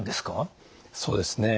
そうですね。